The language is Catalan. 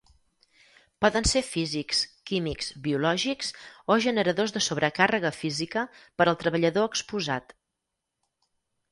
Poden ser físics, químics, biològics o generadors de sobrecàrrega física per al treballador exposat.